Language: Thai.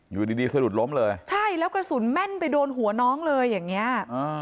อยู่ดีดีสะดุดล้มเลยใช่แล้วกระสุนแม่นไปโดนหัวน้องเลยอย่างเงี้ย